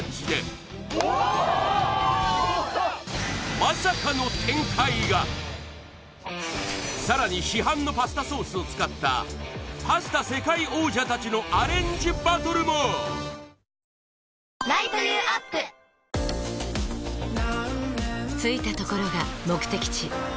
まさかの展開がさらに市販のパスタソースを使ったパスタ世界王者たちのアレンジバトルも着いたところが目的地